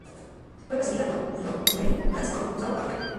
Fue precedida por "Flowering Plants of South Africa".